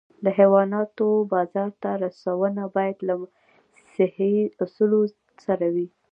د حیواناتو بازار ته رسونه باید له صحي اصولو سره وي.